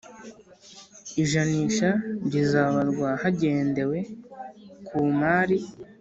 Ijanisha rizabarwa hagendewe ku mari